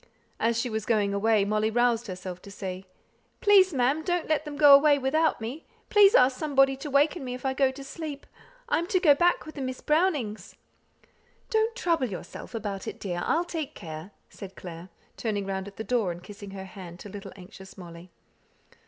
As she was going away Molly roused herself to say, "Please, ma'am, don't let them go away without me. Please ask somebody to waken me if I go to sleep. I am to go back with Miss Brownings." "Don't trouble yourself about it, dear; I'll take care," said Clare, turning round at the door, and kissing her hand to little anxious Molly.